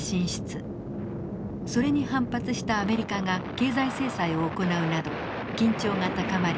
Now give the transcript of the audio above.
それに反発したアメリカが経済制裁を行うなど緊張が高まり